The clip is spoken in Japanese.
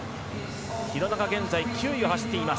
廣中、現在９位を走っている。